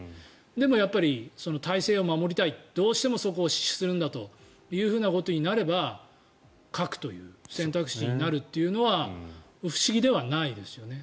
でも、体制を守りたいどうしてもそこを死守するんだということになれば核という選択肢になるというのは不思議ではないですよね。